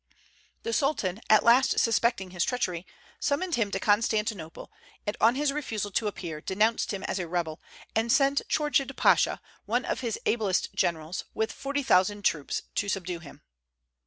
The Sultan, at last suspecting his treachery, summoned him to Constantinople, and on his refusal to appear, denounced him as a rebel, and sent Chourchid Pasha, one of his ablest generals, with forty thousand troops, to subdue him.